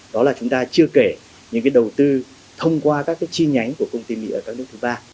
đó là chúng ta chưa kể những đầu tư thông qua các cái chi nhánh của công ty mỹ ở các nước thứ ba